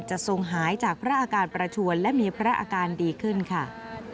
ทรงหายจากพระอาการประชวนและมีพระอาการดีขึ้นค่ะ